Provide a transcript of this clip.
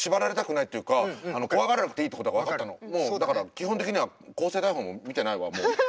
基本的には構成台本も見てないわもう。